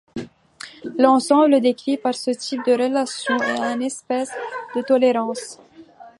L'ensemble décrit par ce type de relation est un espace de tolérance.